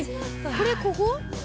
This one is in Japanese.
これ、ここ？